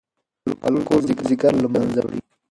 الکول ځیګر له منځه وړي.